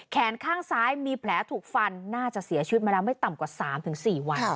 แขนข้างซ้ายมีแผลถูกฟันน่าจะเสียชีวิตมาแล้วไม่ต่ำกว่า๓๔วัน